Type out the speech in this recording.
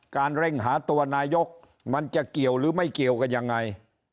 เร่งหาตัวนายกมันจะเกี่ยวหรือไม่เกี่ยวกันยังไง